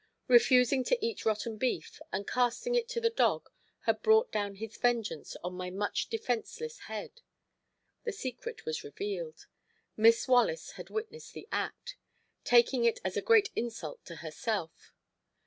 Refusing to eat rotten beef and casting it to the dog had brought down his vengeance on my much defenceless head. The secret was revealed. Miss Wallace had witnessed the act, taking it as a great insult to herself.